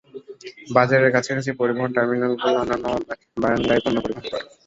বাজারের কাছাকাছি পরিবহন টার্মিনালগুলি অন্যান্য বারাঙ্গায় পণ্য পরিবহন করে।